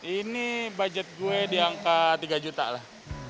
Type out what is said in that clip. ini budget gue diangka tiga juta lah